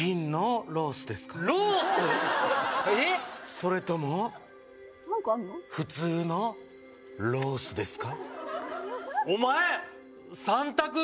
それとも普通のロースですか？